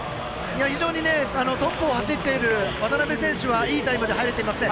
非常にトップを走っている渡邊選手はいいタイムで入れていますね。